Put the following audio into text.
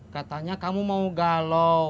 katanya kamu mau galau